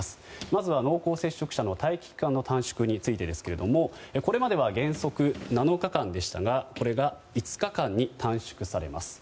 まずは濃厚接触者の待機機関の短縮についてですがこれまでは原則７日間でしたがこれが５日間に短縮されます。